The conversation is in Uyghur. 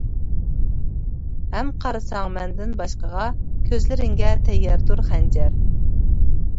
ھەم قارىساڭ مەندىن باشقىغا، كۆزلىرىڭگە تەيياردۇر خەنجەر.